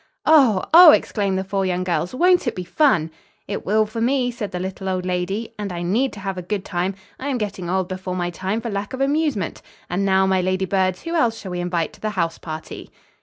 "Oh, oh!" exclaimed the four young girls. "Won't it be fun?" "It will for me," said the little old lady. "And I need to have a good time. I am getting old before my time for lack of amusement. And now, my lady birds, who else shall we invite to the house party?"